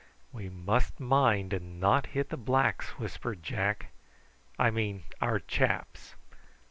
"We must mind and not hit the blacks!" whispered Jack. "I mean our chaps.